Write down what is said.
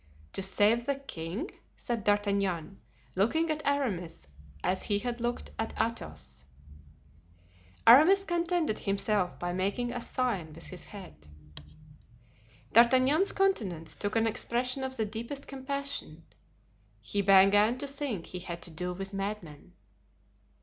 "To save the king?" said D'Artagnan, looking at Aramis as he had looked at Athos. Aramis contented himself by making a sign with his head. D'Artagnan's countenance took an expression of the deepest compassion; he began to think he had to do with madmen.